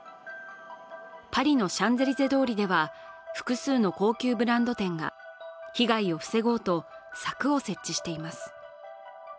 パリのシャンゼリゼ通りでは複数の高級ブランド店が被害を防ごうと柵を設置しています。